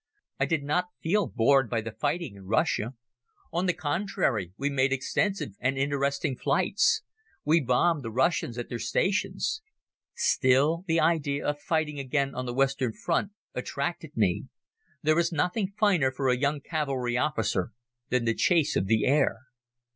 I did not feel bored by the fighting in Russia. On the contrary, we made extensive and interesting flights. We bombed the Russians at their stations. Still, the idea of fighting again on the Western Front attracted me. There is nothing finer for a young cavalry officer than the chase of the air.